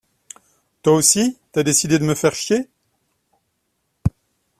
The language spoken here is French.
Toi aussi t’as décidé de me faire chier?